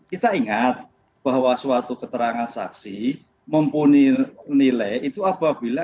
kita ingat bahwa suatu keterangan saksi mempunyai nilai itu apabila